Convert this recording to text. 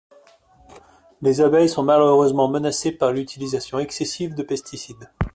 Les abeilles sont malheureusement menacées par l’utilisation excessive de pesticides.